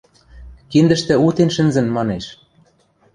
Киндӹштӹ утен шӹнзӹн, – манеш.